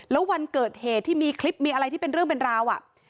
แล้ววันเกิดเหตุที่มีคลิปมีอะไรที่เป็นเรื่องเป็นราว